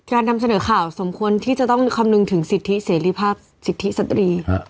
นำเสนอข่าวสมควรที่จะต้องคำนึงถึงสิทธิเสรีภาพสิทธิสตรี